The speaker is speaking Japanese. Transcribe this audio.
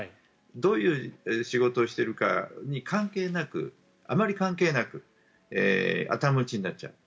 どういう仕事をしているからとか関係なくあまり関係なく頭打ちになっちゃう。